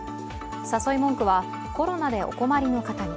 誘い文句は「コロナでお困りの方に」。